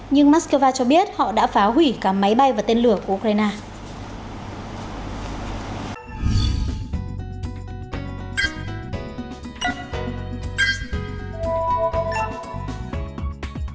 nhưng moscow cho biết họ đã phá hủy cả máy bay và tên lửa của ukraine